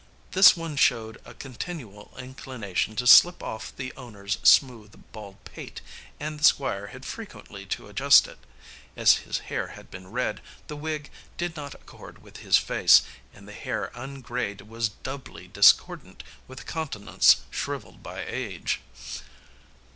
This one showed a continual inclination to slip off the owner's smooth, bald pate, and the Squire had frequently to adjust it. As his hair had been red, the wig did not accord with his face, and the hair ungrayed was doubly discordant with a countenance shriveled by age.